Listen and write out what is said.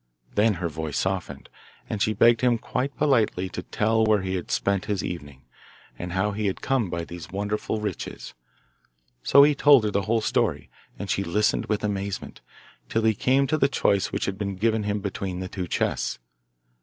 Then her voice softened, and she begged him quite politely to tell her where he had spent his evening, and how he had come by these wonderful riches. So he told her the whole story, and she listened with amazement, till he came to the choice which had been given him between the two chests.